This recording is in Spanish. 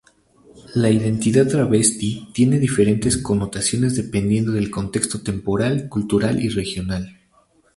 La identidad travesti tiene diferentes connotaciones dependiendo del contexto temporal, cultural y regional.